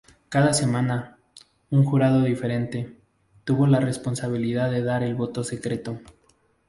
Cada semana, un jurado diferente, tuvo la responsabilidad de dar el voto secreto.